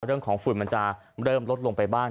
เรื่องของฝุ่นมันจะเริ่มลดลงไปบ้าง